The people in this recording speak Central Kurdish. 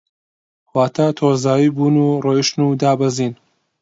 واتە تۆزاوی بوون و ڕۆیشتن و دابەزین